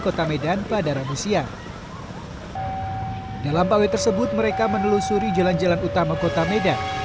kota medan pada ramusia dalam pawe tersebut mereka menelusuri jalan jalan utama kota medan